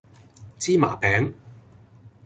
芝麻餅